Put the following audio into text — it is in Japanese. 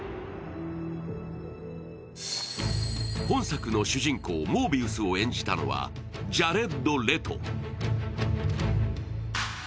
本作の主人公・モービウスを演じたのはジャレッド・レト。